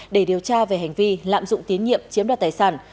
để điều tra về hành vi lạm dụng tín nhiệm chiếm đoạt tài sản